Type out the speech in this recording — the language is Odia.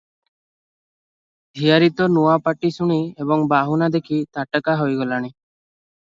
ଝିଆରୀତ ନୂଆ ପାଟି ଶୁଣି ଏବଂ ବାହୁନା ଦେଖି ତାଟକା ହୋଇଗଲାଣି ।